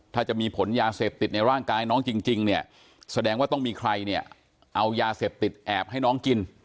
ถ้าจะมีผลยาเสพติดในร่างกายน้องจริงเนี่ยแสดงว่าต้องมีใครเนี่ยเอายาเสพติดแอบให้น้องกิน